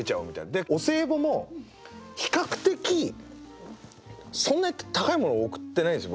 でお歳暮も比較的そんなに高いもの贈ってないんですよ